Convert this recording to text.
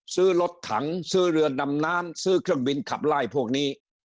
ซื้อรถถังซื้อเรือดำน้ำซื้อเครื่องบินขับไล่พวกนี้